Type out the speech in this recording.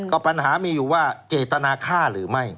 ก็ปัญหามีอยู่ว่าเจตนาฆ่าหรือไม่